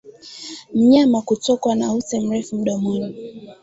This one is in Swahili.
Mnyama kutokwa na ute mrefu mdomoni